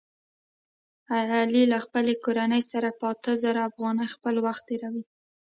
علي له خپلې کورنۍ سره په اته زره افغانۍ خپل وخت تېروي.